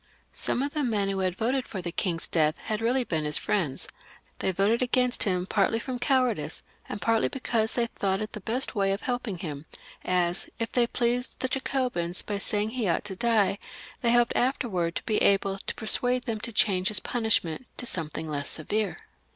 Some of the men who voted for the king's death had really been his friends ; they had voted against him partly from cowardice and partly because they thought it the best way of helping him, as, if they pleased the Jacobins by saying he ought to die, they hoped afterwards to be able to persuade them to ch^eLpunishment to something less severe.